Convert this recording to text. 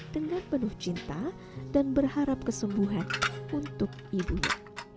dengan penuh cinta dan berharap kesembuhan untuk ibunya